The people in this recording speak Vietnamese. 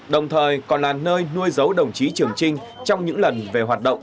đồng thời còn là nơi nuôi dấu đồng chí trường trinh trong những lần về hoạt động